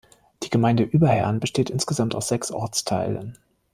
Die Gemeinde Überherrn besteht insgesamt aus sechs Ortsteilen.